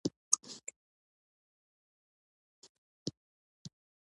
دواړه ډلې عقلاني استدلال اثبات نه کوي.